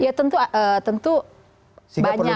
ya tentu tentu banyak ya